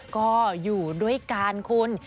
ก็อยู่ด้วยกันคุณ